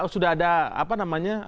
sudah ada apa namanya